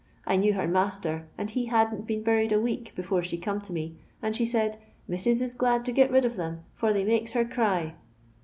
I knew her master, and be hada*t been buried a week I»efore she come to me, and she said, ' missus is gUd to get rid of them, for thej makes her cry.'